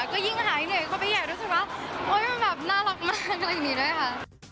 ก็ยิ่งหายเหนื่อยเข้าไปใหญ่รู้สึกว่าโอ๊ยมันแบบน่ารักมากอะไรอย่างนี้ด้วยค่ะ